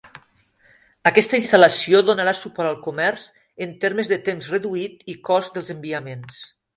Aquesta instal·lació donarà suport al comerç en termes de temps reduït i cost dels enviaments.